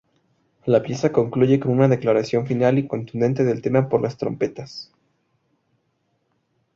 La pieza concluye con una declaración final y contundente del tema por las trompetas.